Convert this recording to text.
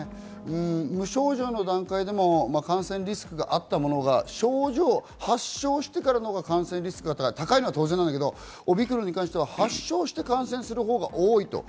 無症状の段階でも感染リスクがあったものが発症してからのほうが感染リスクが高いのは当然なんだけれど、オミクロンに関しては発症して感染するほうが多い。